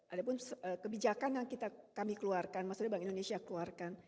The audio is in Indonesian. ada pun kebijakan yang kami keluarkan maksudnya bank indonesia keluarkan